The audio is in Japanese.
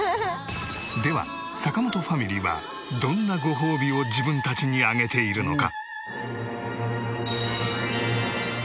では坂本ファミリーはどんなごほうびを自分たちにあげているのか？